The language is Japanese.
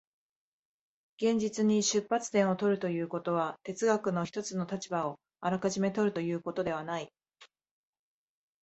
現実に出発点を取るということは、哲学の一つの立場をあらかじめ取るということではない。